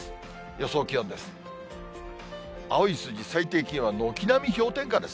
予想気温です。